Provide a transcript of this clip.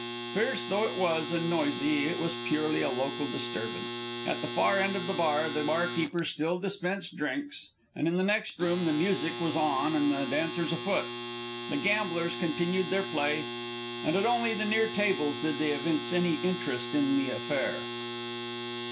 Fierce though it was, and noisy, it was purely a local disturbance. At the far end of the bar the barkeepers still dispensed drinks, and in the next room the music was on and the dancers afoot. The gamblers continued their play, and at only the near tables did they evince any interest in the affair.